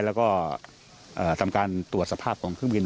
แล้วก็ทำการตรวจสภาพของเครื่องบิน